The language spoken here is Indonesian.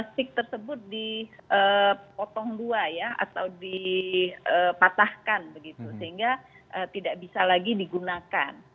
stik tersebut dipotong dua atau dipatahkan sehingga tidak bisa lagi digunakan